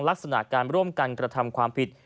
ลักษณะการร่วมกันกระทำความผิด